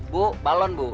bu balon bu